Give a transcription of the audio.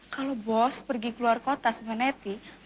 kalau bos pergi keluar kota sama nettie